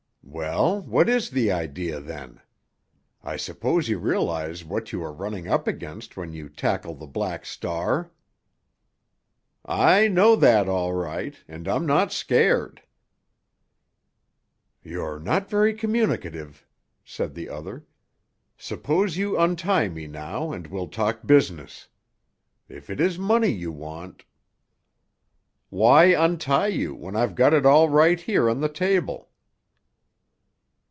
"Well, what is the idea, then? I suppose you realize what you are running up against when you tackle the Black Star?" "I know that, all right, and I'm not scared." "You're not very communicative," said the other. "Suppose you untie me now, and we'll talk business. If it is money you want——" "Why untie you when I've got it all right here on the table?"